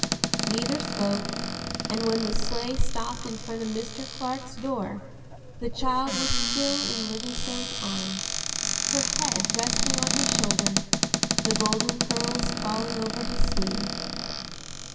Neither spoke and when the sleigh stopped in front of Mr. Clark's door the child was still in Livingstone's arms, her head resting on his shoulder, the golden curls falling over his sleeve.